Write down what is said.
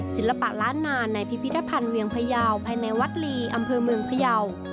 ศิลปะล้านนานในพิพิธภัณฑ์เวียงพยาวภายในวัดลีอำเภอเมืองพยาว